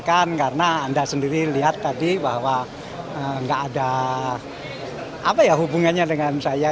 karena anda sendiri lihat tadi bahwa tidak ada hubungannya dengan saya